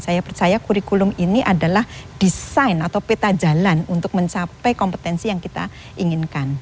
saya percaya kurikulum ini adalah desain atau peta jalan untuk mencapai kompetensi yang kita inginkan